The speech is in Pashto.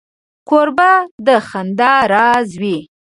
کوربه د خندا راز وي.